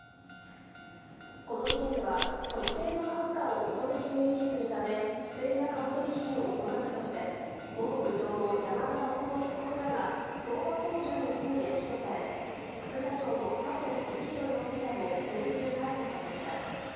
この事件では、特定の株価を意図的に維持するため、不正な株取り引きを行ったとして、元部長の山田誠被告らが、相場操縦の罪で起訴され、副社長の佐藤俊弘容疑者も先週、逮捕されました。